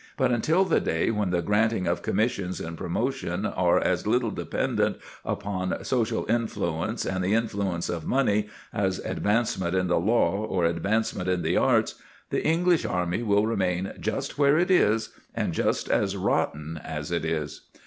But until the day when the granting of commissions and promotion are as little dependent upon social influence and the influence of money as advancement in the law or advancement in the arts, the English army will remain just where it is and just as rotten as it is.